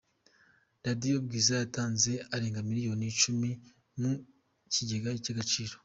Radiyo Bwiza yatanze arenga miliyoni Icumi mu kigega cy’Agaciro